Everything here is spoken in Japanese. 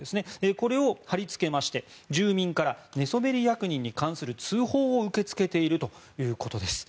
これを貼りつけまして住民から寝そべり役人に関する通報を受け付けているということです。